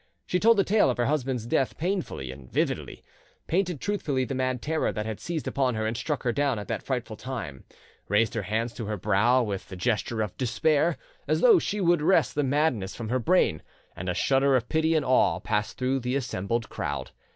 She told the tale of her husband's death painfully and vividly, painted truthfully the mad terror that had seized upon her and struck her down at that frightful time, raised her hands to her brow with the gesture of despair, as though she would wrest the madness from her brain—and a shudder of pity and awe passed through the assembled crowd.